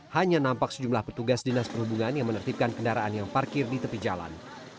hanya nampak sejumlah petugas dinas perhubungan yang menertibkan kendaraan yang parkir di tepi jalan